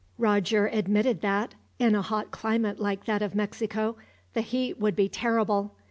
Roger admitted that, in a hot climate like that of Mexico, the heat would be terrible.